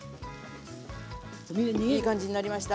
いい感じになりました。